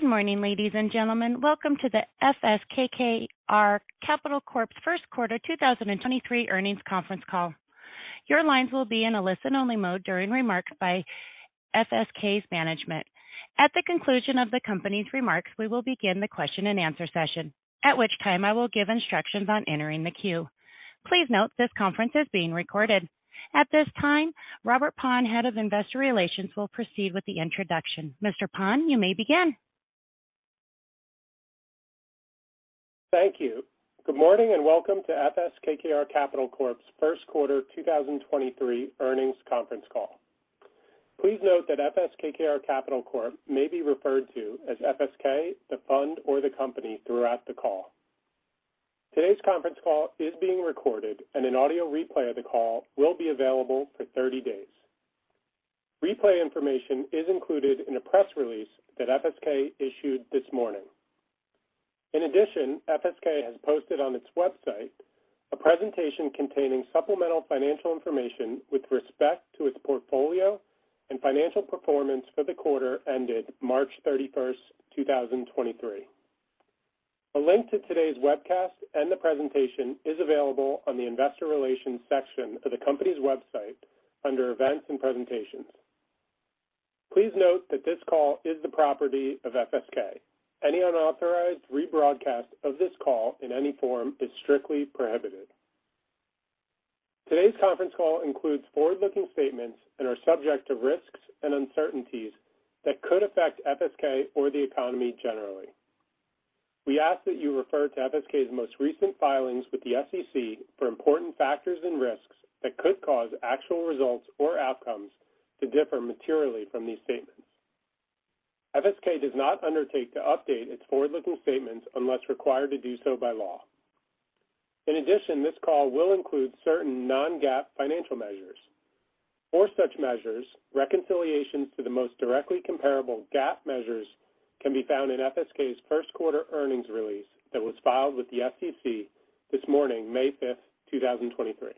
Good morning, ladies and gentlemen. Welcome to the FS KKR Capital Corp.'s First Quarter 2023 Earnings Conference Call. Your lines will be in a listen-only mode during remarks by FSK's management. At the conclusion of the company's remarks, we will begin the question-and-answer session, at which time I will give instructions on entering the queue. Please note this conference is being recorded. At this time, Robert Paun, Head of Investor Relations, will proceed with the introduction. Mr. Paun, you may begin. Thank you. Good morning and welcome to FS KKR Capital Corp's First Quarter 2023 Earnings Conference Call. Please note that FS KKR Capital Corp may be referred to as FSK, the fund, or the company throughout the call. Today's conference call is being recorded, and an audio replay of the call will be available for 30 days. Replay information is included in a press release that FSK issued this morning. In addition, FSK has posted on its website a presentation containing supplemental financial information with respect to its portfolio and financial performance for the quarter ended March 31st, 2023. A link to today's webcast and the presentation is available on the investor relations section of the company's website under events and presentations. Please note that this call is the property of FSK. Any unauthorized rebroadcast of this call in any form is strictly prohibited. Today's conference call includes forward-looking statements and are subject to risks and uncertainties that could affect FSK or the economy generally. We ask that you refer to FSK's most recent filings with the SEC for important factors and risks that could cause actual results or outcomes to differ materially from these statements. FSK does not undertake to update its forward-looking statements unless required to do so by law. In addition, this call will include certain non-GAAP financial measures. For such measures, reconciliations to the most directly comparable GAAP measures can be found in FSK's first quarter earnings release that was filed with the SEC this morning, May 5, 2023.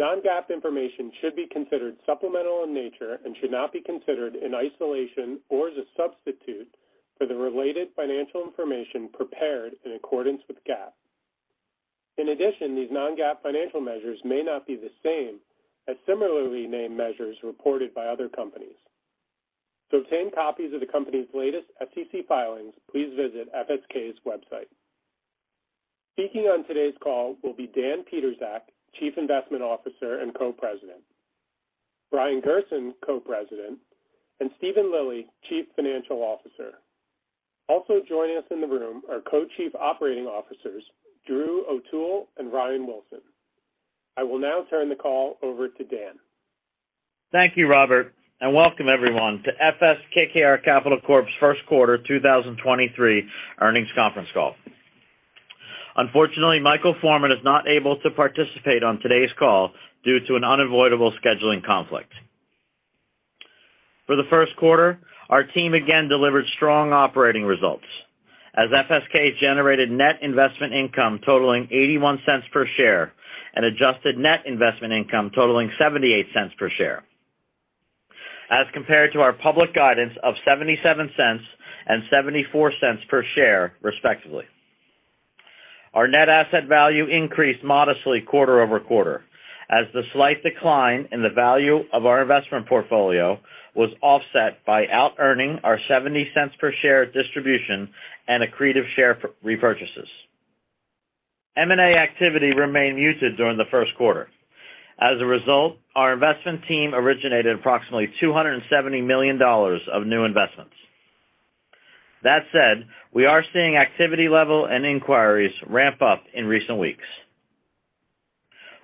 Non-GAAP information should be considered supplemental in nature and should not be considered in isolation or as a substitute for the related financial information prepared in accordance with GAAP. In addition, these non-GAAP financial measures may not be the same as similarly named measures reported by other companies. To obtain copies of the company's latest FCC filings, please visit FSK's website. Speaking on today's call will be Dan Pietrzak, Chief Investment Officer and Co-President; Brian Gerson, Co-President; and Steven Lilly, Chief Financial Officer. Also joining us in the room are Co-Chief Operating Officers Drew O'Toole and Ryan Wilson. I will now turn the call over to Dan. Thank you, Robert, and welcome everyone to FS KKR Capital Corp.'s first quarter 2023 earnings conference call. Unfortunately, Michael Forman is not able to participate on today's call due to an unavoidable scheduling conflict. For the first quarter, our team again delivered strong operating results as FSK generated net investment income totaling $0.81 per share and adjusted net investment income totaling $0.78 per share, as compared to our public guidance of $0.77 and $0.74 per share, respectively. Our net asset value increased modestly quarter-over-quarter as the slight decline in the value of our investment portfolio was offset by out earning our $0.70 per share distribution and accretive share repurchases. M&A activity remained muted during the first quarter. Our investment team originated approximately $270 million of new investments. That said, we are seeing activity level and inquiries ramp up in recent weeks.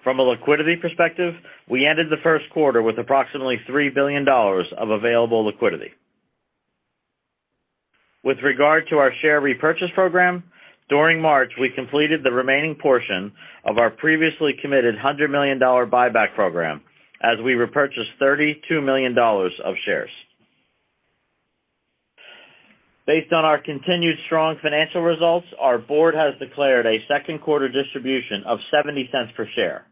From a liquidity perspective, we ended the first quarter with approximately $3 billion of available liquidity. With regard to our share repurchase program, during March, we completed the remaining portion of our previously committed $100 million buyback program as we repurchased $32 million of shares. Based on our continued strong financial results, our board has declared a second quarter distribution of $0.70 per share,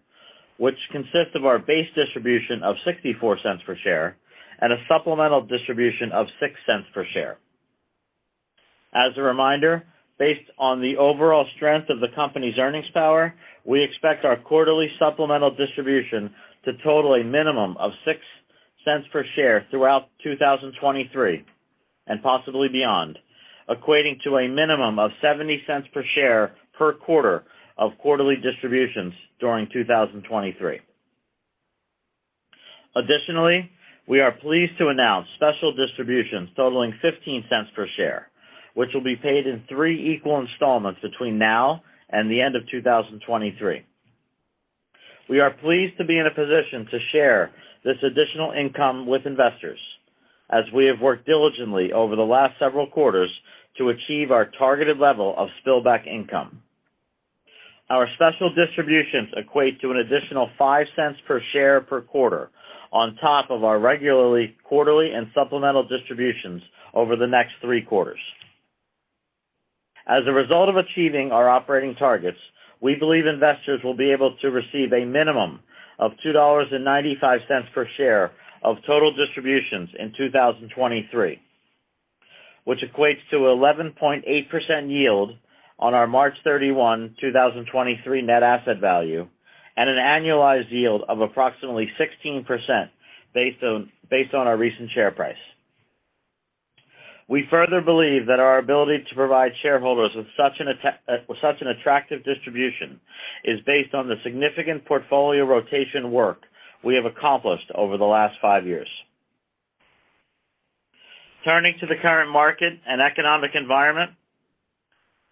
which consists of our base distribution of $0.64 per share and a supplemental distribution of $0.06 per share. As a reminder, based on the overall strength of the company's earnings power, we expect our quarterly supplemental distribution to total a minimum of $0.06 per share throughout 2023 and possibly beyond, equating to a minimum of $0.70 per share per quarter of quarterly distributions during 2023. Additionally, we are pleased to announce special distributions totaling $0.15 per share, which will be paid in three equal installments between now and the end of 2023. We are pleased to be in a position to share this additional income with investors as we have worked diligently over the last several quarters to achieve our targeted level of spill-back income. Our special distributions equate to an additional $0.05 per share per quarter on top of our regularly quarterly and supplemental distributions over the next three quarters. As a result of achieving our operating targets, we believe investors will be able to receive a minimum of $2.95 per share of total distributions in 2023, which equates to 11.8% yield on our March 31, 2023 net asset value at an annualized yield of approximately 16% based on our recent share price. We further believe that our ability to provide shareholders with such an attractive distribution is based on the significant portfolio rotation work we have accomplished over the last five years. Turning to the current market and economic environment.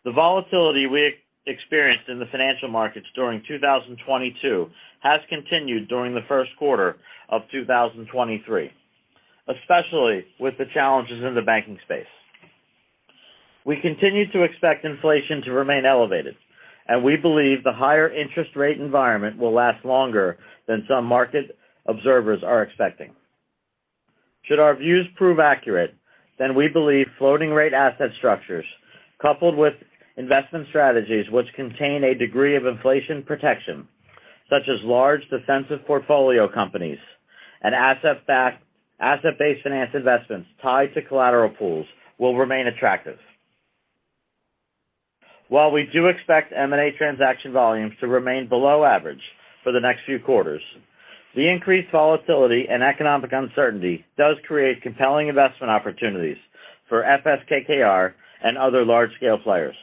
The volatility we experienced in the financial markets during 2022 has continued during the first quarter of 2023, especially with the challenges in the banking space. We continue to expect inflation to remain elevated, and we believe the higher interest rate environment will last longer than some market observers are expecting. Should our views prove accurate, then we believe floating rate asset structures, coupled with investment strategies which contain a degree of inflation protection, such as large defensive portfolio companies and asset-based finance investments tied to collateral pools will remain attractive. While we do expect M&A transaction volumes to remain below average for the next few quarters, the increased volatility and economic uncertainty does create compelling investment opportunities for FS KKR and other large-scale players.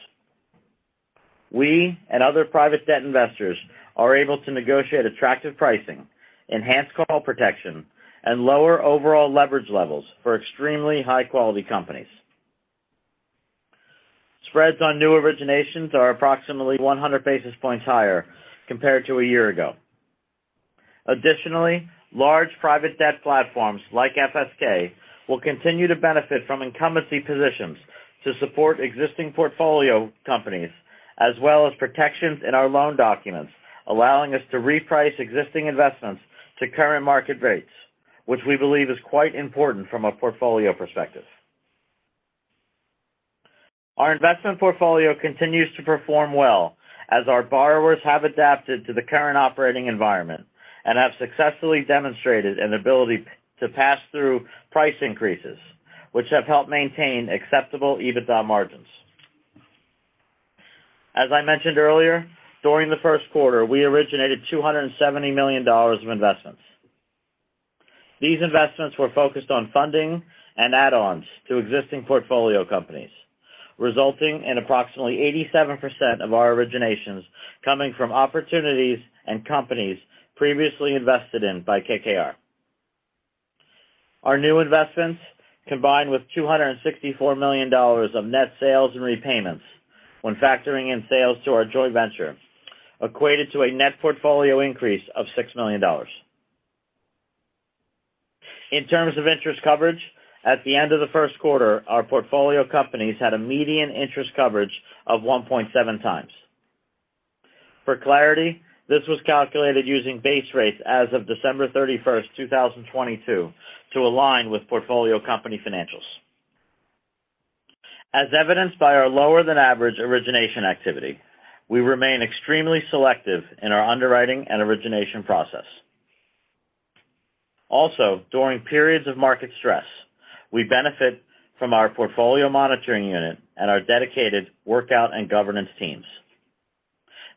We and other private debt investors are able to negotiate attractive pricing, enhanced call protection, and lower overall leverage levels for extremely high-quality companies. Spreads on new originations are approximately 100 basis points higher compared to a year ago. Large private debt platforms like FSK will continue to benefit from incumbency positions to support existing portfolio companies, as well as protections in our loan documents, allowing us to reprice existing investments to current market rates, which we believe is quite important from a portfolio perspective. Our investment portfolio continues to perform well as our borrowers have adapted to the current operating environment and have successfully demonstrated an ability to pass through price increases, which have helped maintain acceptable EBITDA margins. As I mentioned earlier, during the first quarter, we originated $270 million of investments. These investments were focused on funding and add-ons to existing portfolio companies, resulting in approximately 87% of our originations coming from opportunities and companies previously invested in by KKR. Our new investments, combined with $264 million of net sales and repayments when factoring in sales to our joint venture, equated to a net portfolio increase of $6 million. In terms of interest coverage, at the end of the first quarter, our portfolio companies had a median interest coverage of 1.7x. For clarity, this was calculated using base rates as of December 31st, 2022, to align with portfolio company financials. As evidenced by our lower than average origination activity, we remain extremely selective in our underwriting and origination process. During periods of market stress, we benefit from our portfolio monitoring unit and our dedicated workout and governance teams.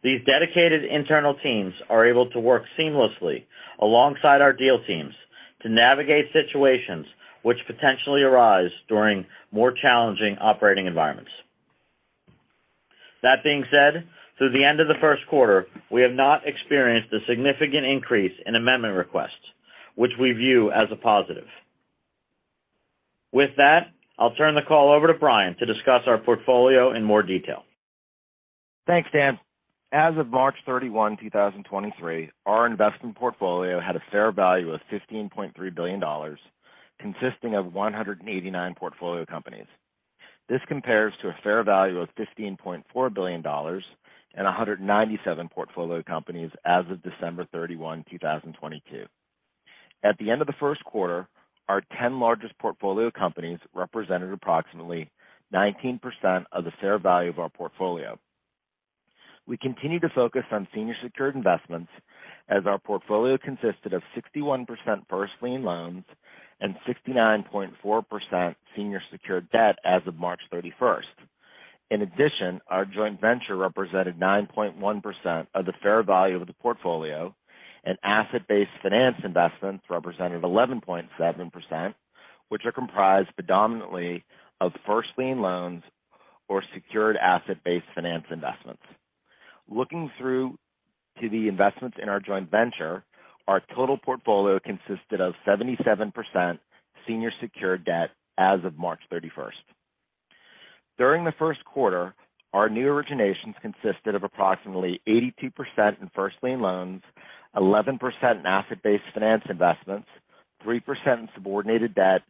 These dedicated internal teams are able to work seamlessly alongside our deal teams to navigate situations which potentially arise during more challenging operating environments. That being said, through the end of the first quarter, we have not experienced a significant increase in amendment requests, which we view as a positive. With that, I'll turn the call over to Brian to discuss our portfolio in more detail. Thanks, Dan. As of March 31, 2023, our investment portfolio had a fair value of $15.3 billion, consisting of 189 portfolio companies. This compares to a fair value of $15.4 billion and 197 portfolio companies as of December 31, 2022. At the end of the first quarter, our 10 largest portfolio companies represented approximately 19% of the fair value of our portfolio. We continue to focus on senior secured investments as our portfolio consisted of 61% first lien loans and 69.4% senior secured debt as of March 31st. In addition, our joint venture represented 9.1% of the fair value of the portfolio, and asset-based finance investments represented 11.7%, which are comprised predominantly of first lien loans or secured asset-based finance investments. Looking through to the investments in our joint venture, our total portfolio consisted of 77% senior secured debt as of March 31. During the first quarter, our new originations consisted of approximately 82% in first lien loans, 11% in asset-based finance investments, 3% in subordinated debt,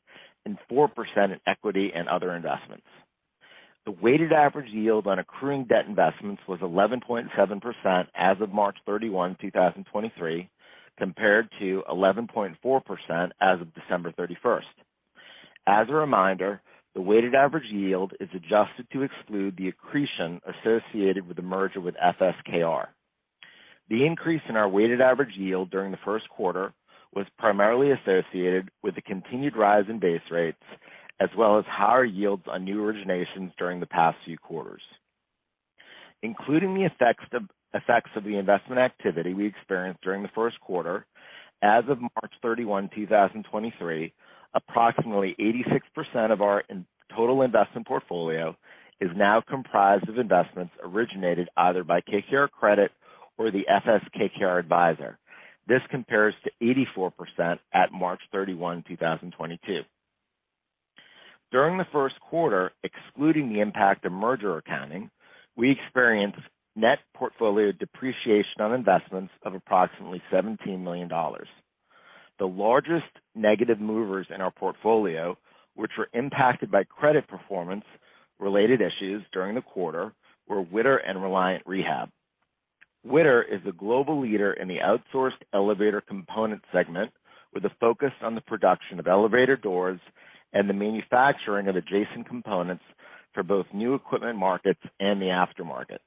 and 4% in equity and other investments. The weighted average yield on accruing debt investments was 11.7% as of March 31, 2023, compared to 11.4% as of December 31. As a reminder, the weighted average yield is adjusted to exclude the accretion associated with the merger with FSKR. The increase in our weighted average yield during the first quarter was primarily associated with the continued rise in base rates, as well as higher yields on new originations during the past few quarters. Including the effects of the investment activity we experienced during the first quarter, as of March 31, 2023, approximately 86% of our total investment portfolio is now comprised of investments originated either by KKR Credit or the FS/KKR Advisor. This compares to 84% at March 31, 2022. During the first quarter, excluding the impact of merger accounting, we experienced net portfolio depreciation on investments of approximately $17 million. The largest negative movers in our portfolio, which were impacted by credit performance related issues during the quarter, were Wittur and Reliant Rehabilitation. Wittur is the global leader in the outsourced elevator component segment with a focus on the production of elevator doors and the manufacturing of adjacent components for both new equipment markets and the aftermarket.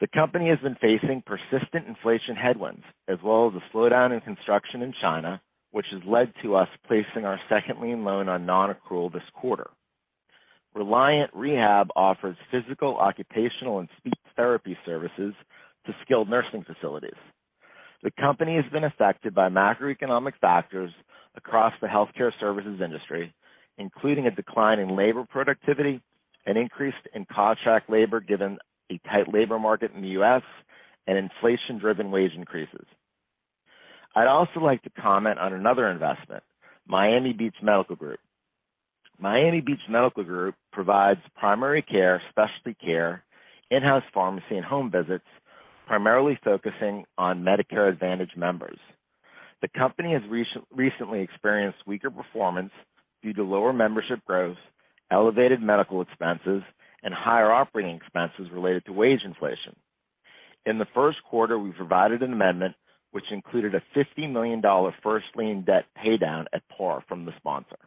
The company has been facing persistent inflation headwinds as well as a slowdown in construction in China, which has led to us placing our second lien loan on non-accrual this quarter. Reliant Rehabilitation offers physical, occupational, and speech therapy services to skilled nursing facilities. The company has been affected by macroeconomic factors across the healthcare services industry, including a decline in labor productivity, an increase in contract labor given a tight labor market in the U.S., and inflation-driven wage increases. I'd also like to comment on another investment, Miami Beach Medical Group. Miami Beach Medical Group provides primary care, specialty care, in-house pharmacy, and home visits, primarily focusing on Medicare Advantage members. The company has recently experienced weaker performance due to lower membership growth, elevated medical expenses, and higher operating expenses related to wage inflation. In the first quarter, we provided an amendment which included a $50 million first lien debt pay down at par from the sponsor.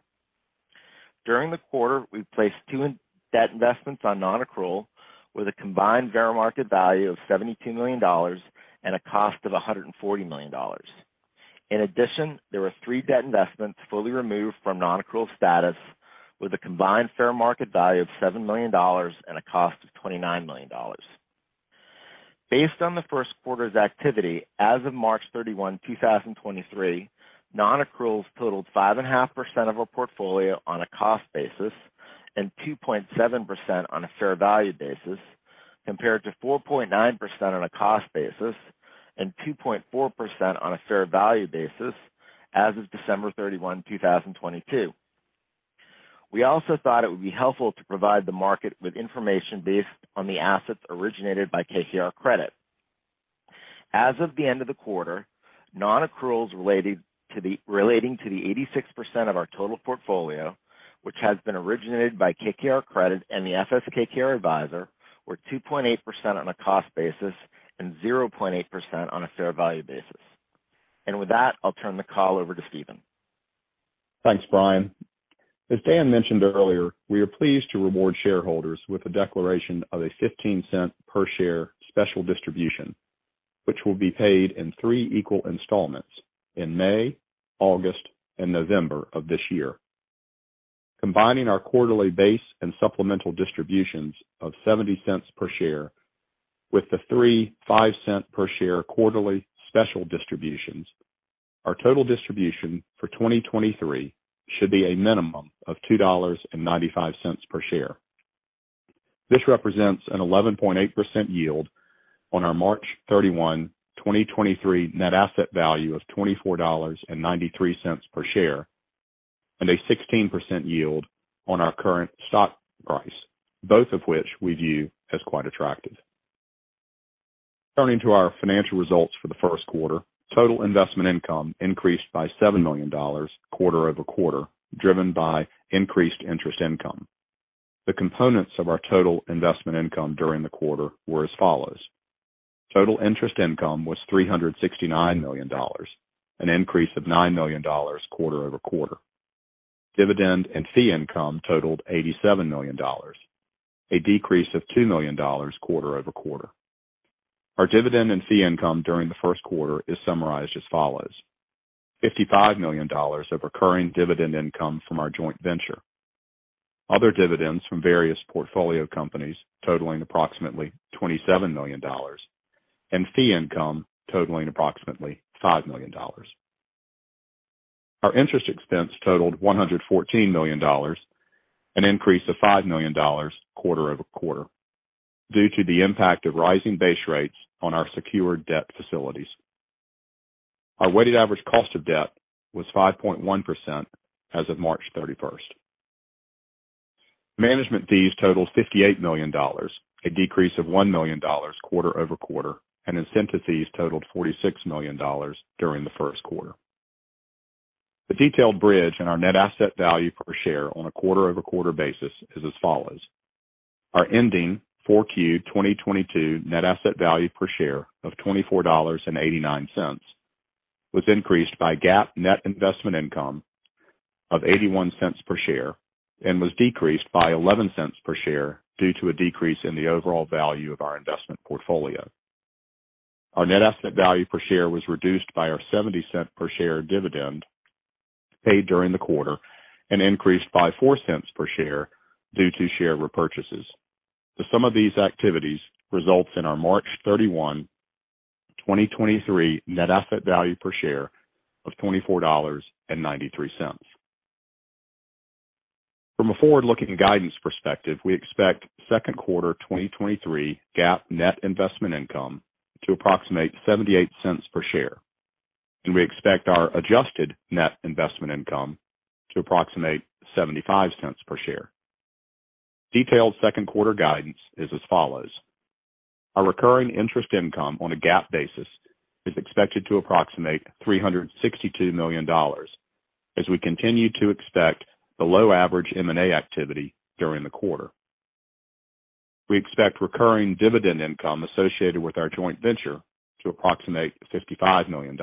During the quarter, we placed two debt investments on non-accrual with a combined fair market value of $72 million and a cost of $140 million. In addition, there were three debt investments fully removed from non-accrual status with a combined fair market value of $7 million and a cost of $29 million. Based on the first quarter's activity, as of March 31, 2023, non-accruals totaled 5.5% of our portfolio on a cost basis and 2.7% on a fair value basis, compared to 4.9% on a cost basis and 2.4% on a fair value basis as of December 31, 2022. We also thought it would be helpful to provide the market with information based on the assets originated by KKR Credit. As of the end of the quarter, non-accruals relating to the 86% of our total portfolio, which has been originated by KKR Credit and the FS/KKR Advisor, were 2.8% on a cost basis and 0.8% on a fair value basis. With that, I'll turn the call over to Steven. Thanks, Brian. As Dan mentioned earlier, we are pleased to reward shareholders with a declaration of a $0.15 per share special distribution, which will be paid in three equal installments in May, August, and November of this year. Combining our quarterly base and supplemental distributions of $0.70 per share with the three $0.05 per share quarterly special distributions, our total distribution for 2023 should be a minimum of $2.95 per share. This represents an 11.8% yield on our March 31, 2023 net asset value of $24.93 per share, and a 16% yield on our current stock price, both of which we view as quite attractive. Turning to our financial results for the first quarter, total investment income increased by $7 million quarter-over-quarter, driven by increased interest income. The components of our total investment income during the quarter were as follows: Total interest income was $369 million, an increase of $9 million quarter-over-quarter. Dividend and fee income totaled $87 million, a decrease of $2 million quarter-over-quarter. Our dividend and fee income during the first quarter is summarized as follows: $55 million of recurring dividend income from our joint venture, other dividends from various portfolio companies totaling approximately $27 million, and fee income totaling approximately $5 million. Our interest expense totaled $114 million, an increase of $5 million quarter-over-quarter due to the impact of rising base rates on our secured debt facilities. Our weighted average cost of debt was 5.1% as of March 31st. Management fees totaled $58 million, a decrease of $1 million quarter-over-quarter, and incentive fees totaled $46 million during the first quarter. The detailed bridge in our net asset value per share on a quarter-over-quarter basis is as follows: Our ending 4Q 2022 net asset value per share of $24.89 was increased by GAAP net investment income of $0.81 per share and was decreased by $0.11 per share due to a decrease in the overall value of our investment portfolio. Our net asset value per share was reduced by our $0.70 per share dividend paid during the quarter and increased by $0.04 per share due to share repurchases. The sum of these activities results in our March 31, 2023 net asset value per share of $24.93. From a forward-looking guidance perspective, we expect second quarter 2023 GAAP net investment income to approximate $0.78 per share, and we expect our adjusted net investment income to approximate $0.75 per share. Detailed second quarter guidance is as follows: Our recurring interest income on a GAAP basis is expected to approximate $362 million as we continue to expect below average M&A activity during the quarter. We expect recurring dividend income associated with our joint venture to approximate $55 million.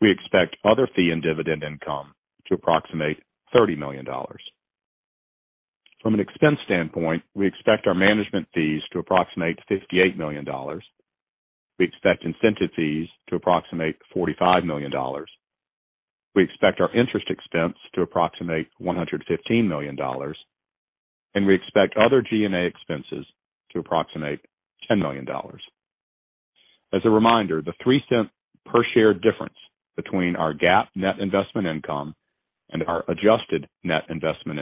We expect other fee and dividend income to approximate $30 million. From an expense standpoint, we expect our management fees to approximate $58 million. We expect incentive fees to approximate $45 million. We expect our interest expense to approximate $115 million, and we expect other G&A expenses to approximate $10 million. As a reminder, the $0.03 per share difference between our GAAP net investment income and our adjusted net investment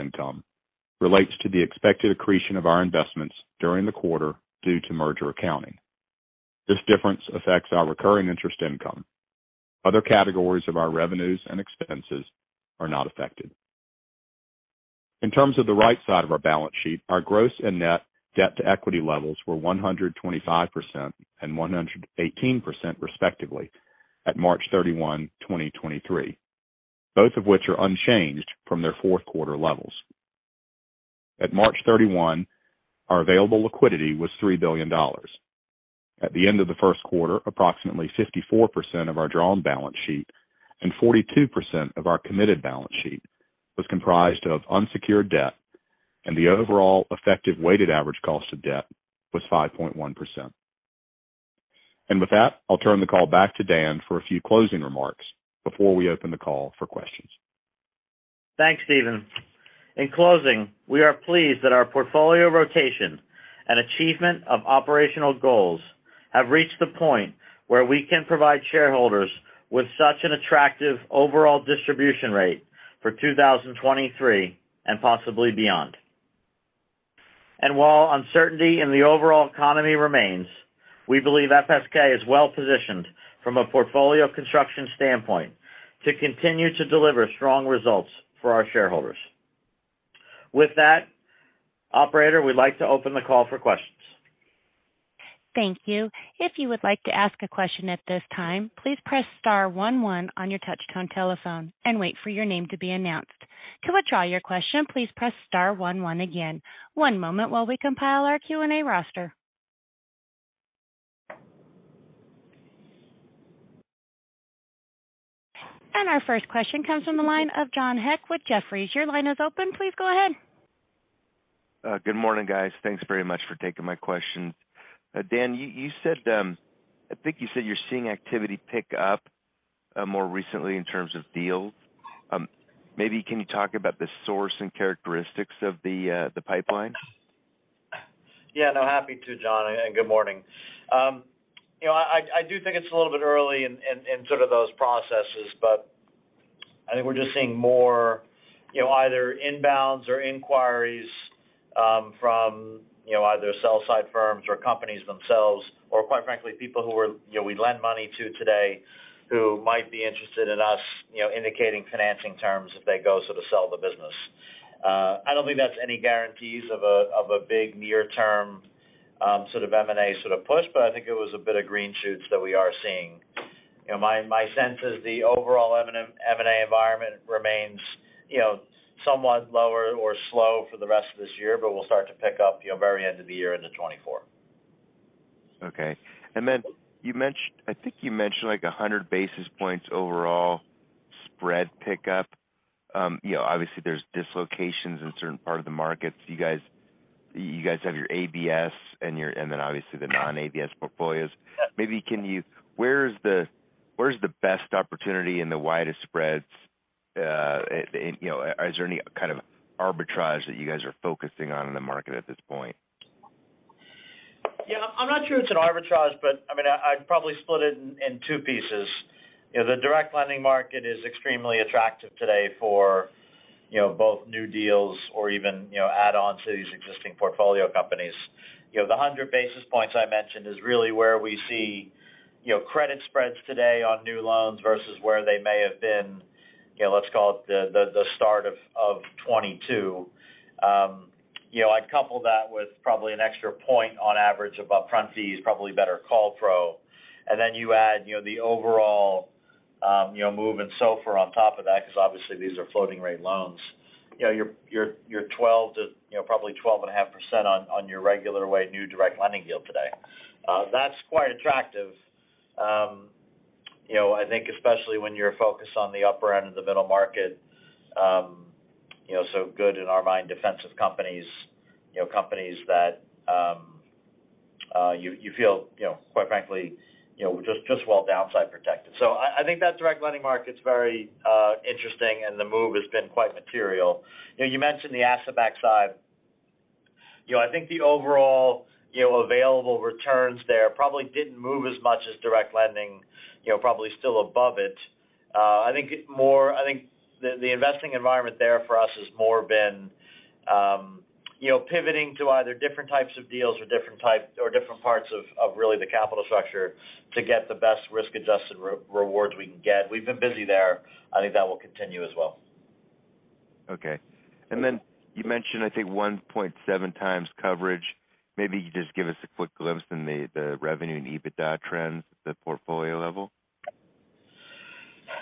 income relates to the expected accretion of our investments during the quarter due to merger accounting. This difference affects our recurring interest income. Other categories of our revenues and expenses are not affected. In terms of the right side of our balance sheet, our gross and net debt to equity levels were 125% and 118% respectively at March 31, 2023, both of which are unchanged from their fourth quarter levels. At March 31, our available liquidity was $3 billion. At the end of the first quarter, approximately 54% of our drawn balance sheet and 42% of our committed balance sheet was comprised of unsecured debt, and the overall effective weighted average cost of debt was 5.1%. With that, I'll turn the call back to Dan for a few closing remarks before we open the call for questions. Thanks, Steven. In closing, we are pleased that our portfolio rotation and achievement of operational goals have reached the point where we can provide shareholders with such an attractive overall distribution rate for 2023 and possibly beyond. While uncertainty in the overall economy remains, we believe FSK is well positioned from a portfolio construction standpoint to continue to deliver strong results for our shareholders. With that, operator, we'd like to open the call for questions. Thank you. If you would like to ask a question at this time, please press star one one on your touch-tone telephone and wait for your name to be announced. To withdraw your question, please press star one one again. One moment while we compile our Q&A roster. Our first question comes from the line of John Hecht with Jefferies. Your line is open. Please go ahead. Good morning, guys. Thanks very much for taking my question. Dan, you said, I think you said you're seeing activity pick up, more recently in terms of deals. Maybe can you talk about the source and characteristics of the pipeline? Yeah, no, happy to, John. Good morning. You know, I do think it's a little bit early in sort of those processes. I think we're just seeing more, you know, either inbounds or inquiries from, you know, either sell-side firms or companies themselves, or quite frankly, people who we're, you know, we lend money to today who might be interested in us, you know, indicating financing terms if they go so to sell the business. I don't think that's any guarantees of a big near-term sort of M&A sort of push. I think it was a bit of green shoots that we are seeing. You know, my sense is the overall M&A environment remains, you know, somewhat lower or slow for the rest of this year, but we'll start to pick up, you know, very end of the year into 2024. Okay. I think you mentioned like 100 basis points overall spread pickup. You know, obviously there's dislocations in certain part of the markets. You guys have your ABS and obviously the non-ABS portfolios. Maybe where is the best opportunity and the widest spreads? You know, is there any kind of arbitrage that you guys are focusing on in the market at this point? Yeah, I'm not sure it's an arbitrage, but I mean, I'd probably split it in two pieces. You know, the direct lending market is extremely attractive today for, you know, both new deals or even, you know, add-ons to these existing portfolio companies. You know, the 100 basis points I mentioned is really where we see, you know, credit spreads today on new loans versus where they may have been, you know, let's call it the start of 2022. You know, I'd couple that with probably an extra one point on average of upfront fees, probably better call pro. You add, you know, the overall, you know, move in SOFR on top of that, because obviously these are floating rate loans. You know, you're 12 to, you know, probably 12.5% on your regular weight new direct lending deal today. That's quite attractive, you know, I think especially when you're focused on the upper end of the middle market, you know, so good in our mind, defensive companies, you know, companies that, you feel, you know, quite frankly, you know, just well downside protected. I think that direct lending market's very interesting, and the move has been quite material. You know, you mentioned the asset backside. You know, I think the overall, you know, available returns there probably didn't move as much as direct lending, you know, probably still above it. I think more. I think the investing environment there for us has more been, you know, pivoting to either different types of deals or different parts of really the capital structure to get the best risk-adjusted re-rewards we can get. We've been busy there. I think that will continue as well. Okay. Then you mentioned, I think, 1.7x coverage. Maybe you could just give us a quick glimpse in the revenue and EBITDA trends at the portfolio level.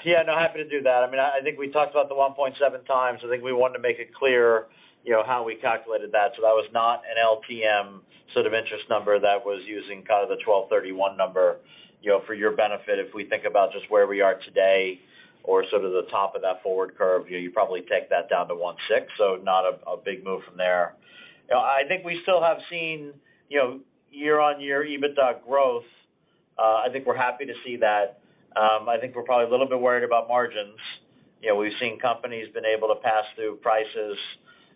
Yeah, no, happy to do that. I mean, I think we talked about the 1.7x. I think we wanted to make it clear, you know, how we calculated that. That was not an LTM sort of interest number that was using kind of the 12/31 number. You know, for your benefit, if we think about just where we are today or sort of the top of that forward curve, you know, you probably take that down to 1.6, so not a big move from there. You know, I think we still have seen, you know, year-on-year EBITDA growth. I think we're happy to see that. I think we're probably a little bit worried about margins. You know, we've seen companies been able to pass through prices,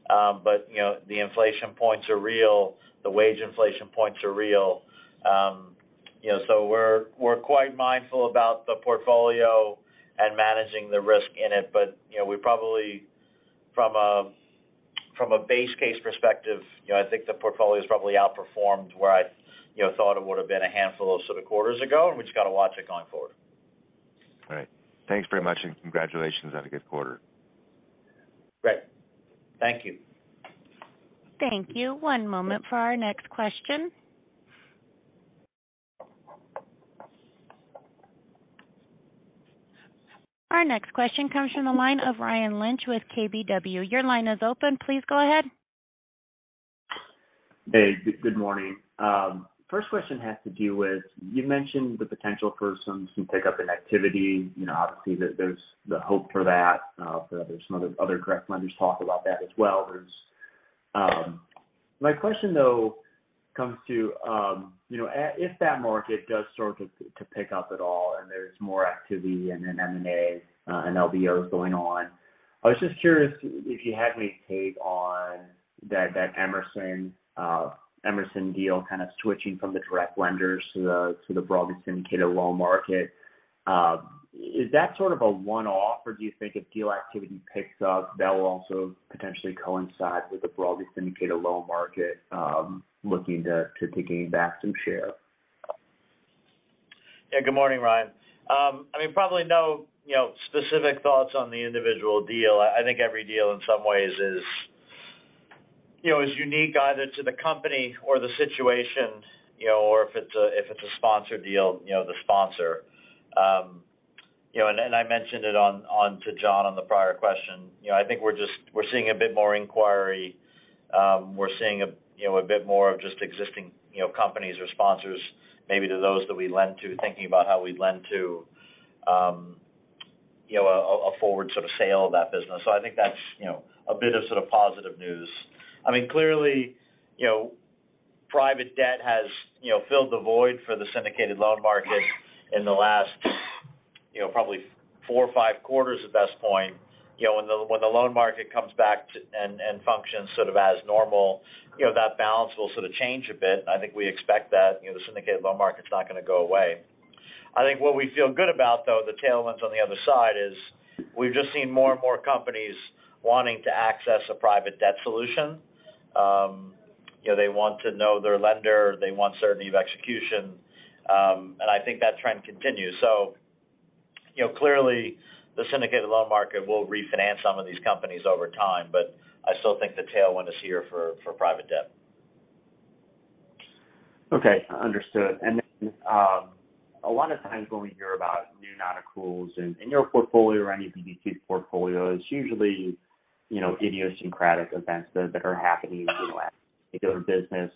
but you know, the inflation points are real. The wage inflation points are real. you know, so we're quite mindful about the portfolio and managing the risk in it. You know, we probably from a, from a base case perspective, you know, I think the portfolio's probably outperformed where I, you know, thought it would've been a handful of sort of quarters ago, and we just gotta watch it going forward. All right. Thanks very much, and congratulations on a good quarter. Great. Thank you. Thank you. One moment for our next question. Our next question comes from the line of Ryan Lynch with KBW. Your line is open. Please go ahead. Good morning. First question has to do with, you mentioned the potential for some pickup in activity. You know, obviously there's the hope for that. There's some other direct lenders talk about that as well. My question though comes to, you know, if that market does start to pick up at all and there's more activity and then M&A and LBOs going on, I was just curious if you had any take on that Emerson deal kind of switching from the direct lenders to the broadly syndicated loan market. Is that sort of a one-off, or do you think if deal activity picks up, that will also potentially coincide with the broadly syndicated loan market, looking to gaining back some share? Yeah. Good morning, Ryan. I mean, probably no, you know, specific thoughts on the individual deal. I think every deal in some ways is, you know, is unique either to the company or the situation, you know, or if it's a, if it's a sponsored deal, you know, the sponsor. You know, I mentioned it on to John on the prior question. You know, I think we're seeing a bit more inquiry. We're seeing a, you know, a bit more of just existing, you know, companies or sponsors, maybe to those that we lend to, thinking about how we'd lend to, you know, a forward sort of sale of that business. I think that's, you know, a bit of sort of positive news. I mean, clearly, you know, private debt has, you know, filled the void for the syndicated loan market in the last, you know, probably four or five quarters at best point. You know, when the loan market comes back and functions sort of as normal, you know, that balance will sort of change a bit. I think we expect that. You know, the syndicated loan market's not gonna go away. I think what we feel good about, though, the tailwinds on the other side is we've just seen more and more companies wanting to access a private debt solution. You know, they want to know their lender. They want certainty of execution. I think that trend continues. You know, clearly the syndicated loan market will refinance some of these companies over time, but I still think the tailwind is here for private debt. Okay. Understood. A lot of times when we hear about new non-accruals in your portfolio or any BDC portfolio, it's usually, you know, idiosyncratic events that are happening, you know, at a particular business.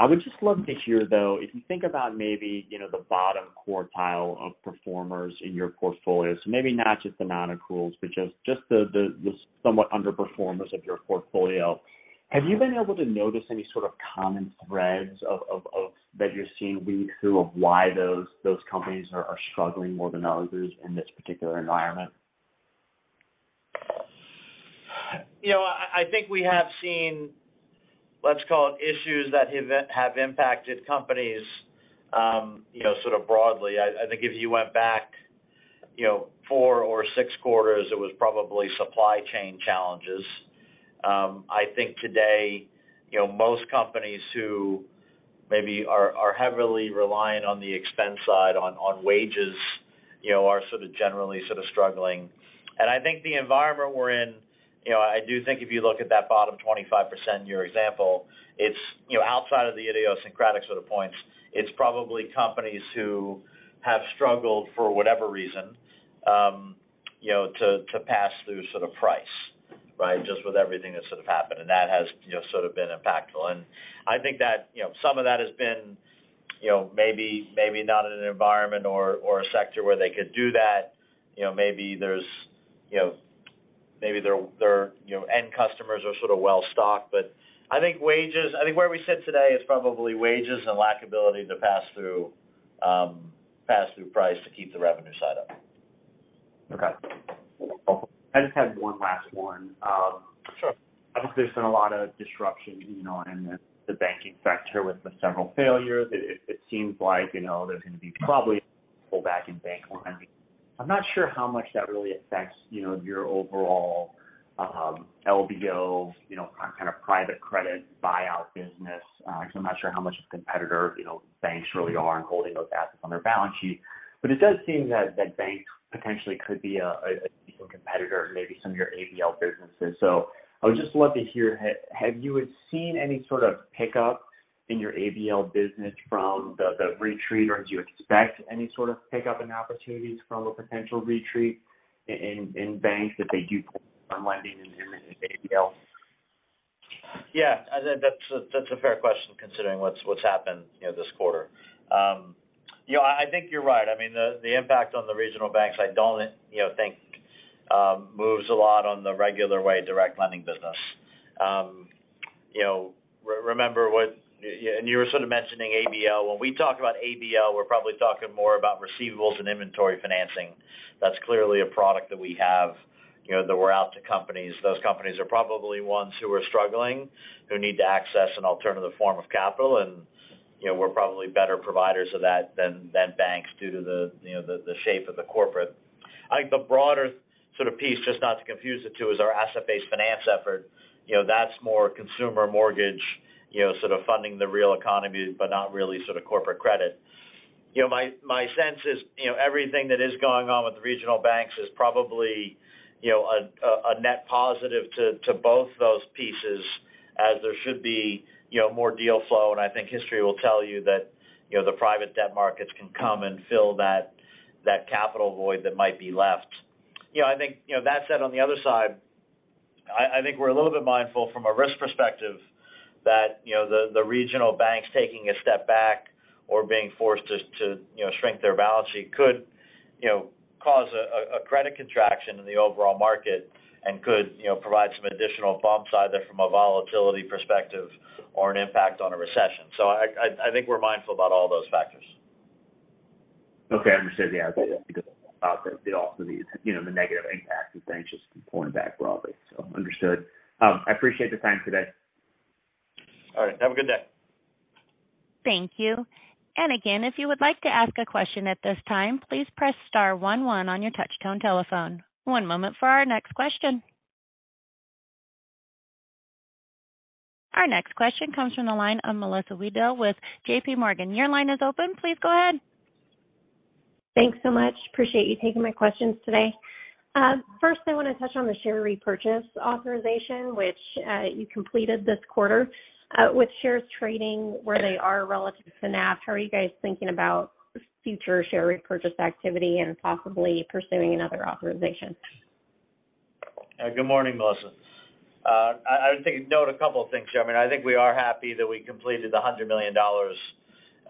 I would just love to hear, though, if you think about maybe, you know, the bottom quartile of performers in your portfolio, so maybe not just the non-accruals, but just the somewhat underperformers of your portfolio. Have you been able to notice any sort of common threads of that you're seeing read through of why those companies are struggling more than others in this particular environment? You know, I think we have seen, let's call it issues that have impacted companies, you know, sort of broadly. I think if you went back, you know, four or six quarters, it was probably supply chain challenges. I think today, you know, most companies who maybe are heavily reliant on the expense side on wages, you know, are sort of generally struggling. I think the environment we're in, you know, I do think if you look at that bottom 25%, your example, it's, you know, outside of the idiosyncratic sort of points, it's probably companies who have struggled for whatever reason, You know, to pass through sort of price, right? Just with everything that sort of happened, and that has, you know, sort of been impactful. I think that, you know, some of that has been, you know, maybe not in an environment or a sector where they could do that. You know, maybe their, you know, end customers are sort of well-stocked. I think where we sit today is probably wages and lack ability to pass through price to keep the revenue side up. I just had one last one. Sure. I think there's been a lot of disruption, you know, in the banking sector with the several failures. It seems like, you know, there's gonna be probably pullback in bank lending. I'm not sure how much that really affects, you know, your overall LBO, you know, kind of private credit buyout business. I'm not sure how much a competitor, you know, banks really are in holding those assets on their balance sheet. It does seem that banks potentially could be a decent competitor in maybe some of your ABL businesses. I would just love to hear, have you seen any sort of pickup in your ABL business from the retreat, or do you expect any sort of pickup in opportunities from a potential retreat in banks if they do? I think that's a, that's a fair question considering what's happened, you know, this quarter. I think you're right. I mean, the impact on the regional banks I don't, you know, think moves a lot on the regular way direct lending business. You were sort of mentioning ABL. When we talk about ABL, we're probably talking more about receivables and inventory financing. That's clearly a product that we have, you know, that we're out to companies. Those companies are probably ones who are struggling, who need to access an alternative form of capital. You know, we're probably better providers of that than banks due to the, you know, the shape of the corporate. I think the broader sort of piece, just not to confuse the two, is our asset-based finance effort. You know, that's more consumer mortgage, you know, sort of funding the real economy, but not really sort of corporate credit. You know, my sense is, you know, everything that is going on with the regional banks is probably, you know, a net positive to both those pieces as there should be, you know, more deal flow. I think history will tell you that, you know, the private debt markets can come and fill that capital void that might be left. You know, I think, you know, that said, on the other side, I think we're a little bit mindful from a risk perspective that, you know, the regional banks taking a step back or being forced to, you know, shrink their balance sheet could, you know, cause a credit contraction in the overall market and could, you know, provide some additional bumps either from a volatility perspective or an impact on a recession. I think we're mindful about all those factors. Understood. I think about also the, you know, the negative impact of banks just pulling back broadly. Understood. I appreciate the time today. All right. Have a good day. Thank you. Again, if you would like to ask a question at this time, please press star one one on your touchtone telephone. One moment for our next question. Our next question comes from the line of Melissa Wedel with J.P. Morgan. Your line is open. Please go ahead. Thanks so much. Appreciate you taking my questions today. First I wanna touch on the share repurchase authorization, which, you completed this quarter. With shares trading where they are relative to NAV, how are you guys thinking about future share repurchase activity and possibly pursuing another authorization? Good morning, Melissa. I think note a couple of things here. I mean, I think we are happy that we completed the $100 million.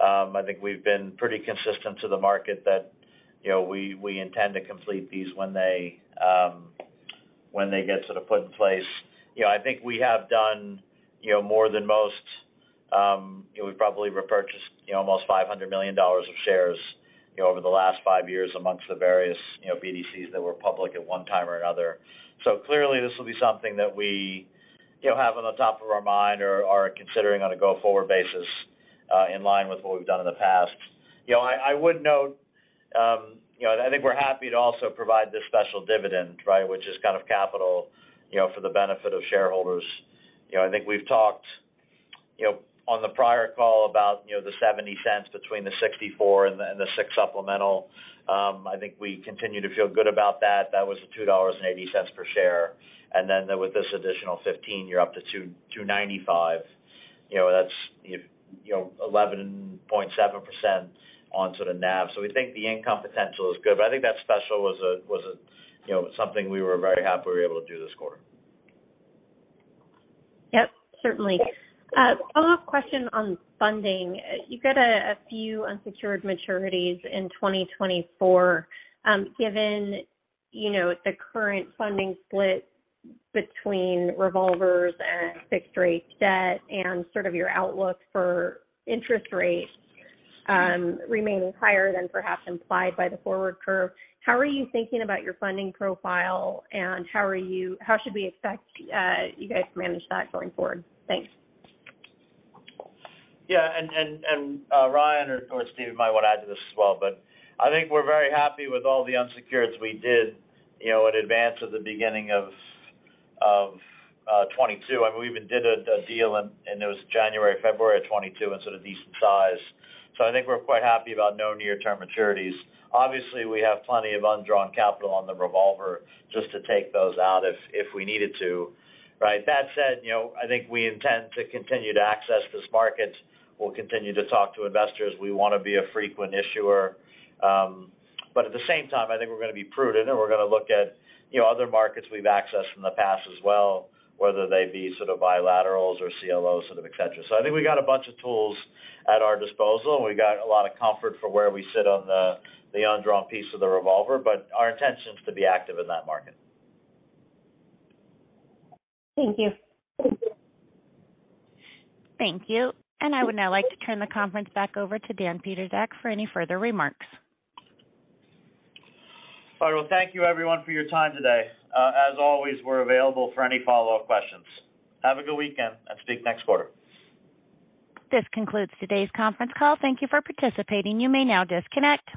I think we've been pretty consistent to the market that, you know, we intend to complete these when they, when they get sort of put in place. You know, I think we have done, you know, more than most. We've probably repurchased, you know, almost $500 million of shares, you know, over the last five years amongst the various, you know, BDCs that were public at one time or another. Clearly this will be something that we, you know, have on the top of our mind or are considering on a go-forward basis, in line with what we've done in the past. You know, I would note, you know, I think we're happy to also provide this special dividend, right, which is kind of capital, you know, for the benefit of shareholders. You know, I think we've talked, you know, on the prior call about, you know, the $0.70 between the $0.64 and the $0.06 supplemental. I think we continue to feel good about that. That was the $2.80 per share. With this additional $0.15 you're up to $2.95. You know, that's, you know, 11.7% on sort of NAV. We think the income potential is good. I think that special was a, you know, something we were very happy we were able to do this quarter. Yep. Certainly. Follow-up question on funding. You've got a few unsecured maturities in 2024. Given, you know, the current funding split between revolvers and fixed rate debt and sort of your outlook for interest rates, remaining higher than perhaps implied by the forward curve, how are you thinking about your funding profile, and how should we expect you guys to manage that going forward? Thanks. Yeah. Ryan or Steven might want to add to this as well, but I think we're very happy with all the unsecured we did, you know, in advance of the beginning of 2022. I mean, we even did a deal in, and it was January, February of 2022 and sort of decent size. I think we're quite happy about no near-term maturities. Obviously, we have plenty of undrawn capital on the revolver just to take those out if we needed to, right? That said, you know, I think we intend to continue to access this market. We'll continue to talk to investors. We wanna be a frequent issuer. At the same time, I think we're gonna be prudent, and we're gonna look at, you know, other markets we've accessed from the past as well, whether they be sort of bilateral's or CLOs, sort of et cetera. I think we got a bunch of tools at our disposal, and we got a lot of comfort for where we sit on the undrawn piece of the revolver, but our intention is to be active in that market. Thank you. Thank you. I would now like to turn the conference back over to Dan Pietrzak for any further remarks. Well, thank you everyone for your time today. As always, we're available for any follow-up questions. Have a good weekend and speak next quarter. This concludes today's conference call. Thank you for participating. You may now disconnect.